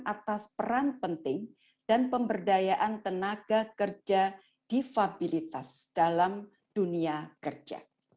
atas peran penting dan pemberdayaan tenaga kerja difabilitas dalam dunia kerja